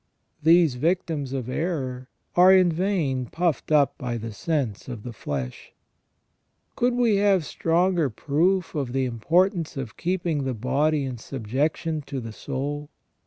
These victims of error are "in vain puffed up by the sense of the flesh ''. Could we have stronger proof of the importance of keeping the body in subjection to the soul